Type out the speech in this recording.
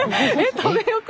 「食べようか？」